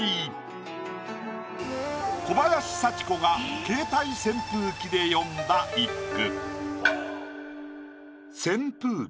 小林幸子が「携帯扇風機」で詠んだ一句。